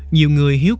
nhiều người hiểu rằng